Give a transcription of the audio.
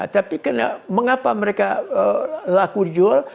tapi mengapa mereka laku jual